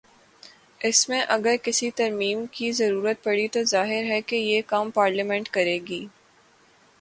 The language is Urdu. اس میں اگر کسی ترمیم کی ضرورت پڑی تو ظاہر ہے کہ یہ کام پارلیمنٹ کر ے گی۔